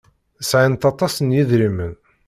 Sɛant aṭas n yedrimen.